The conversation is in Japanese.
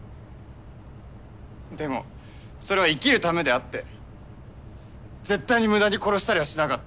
でもそれは「生きる」ためであって絶対に無駄に殺したりはしなかった。